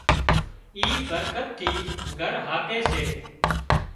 اي برڪت ٿِي گھر هاڪي سي